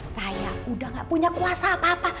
saya udah gak punya kuasa apa apa